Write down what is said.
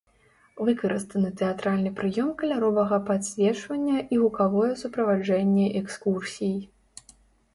Выкарыстаны тэатральны прыём каляровага падсвечвання і гукавое суправаджэнне экскурсій.